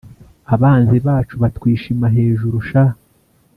Abanzi bacu batwishima hejuru sha